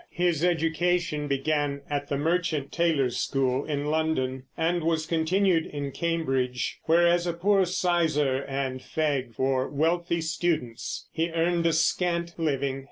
His education began at the Merchant Tailors' School in London and was continued in Cambridge, where as a poor sizar and fag for wealthy students he earned a scant living.